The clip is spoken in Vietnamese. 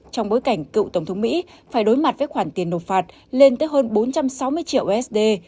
trong bối cảnh cựu tổng thống mỹ phải đối mặt với khoản tiền nộp phạt lên tới hơn bốn trăm sáu mươi triệu usd